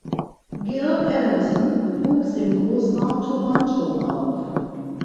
Gil Adamson wuchs im Großraum Toronto auf.